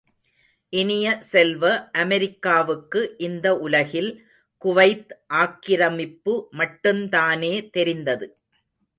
இனிய செல்வ, அமெரிக்காவுக்கு இந்த உலகில் குவைத் ஆக்கிரமிப்பு மட்டுந்தானே தெரிந்தது.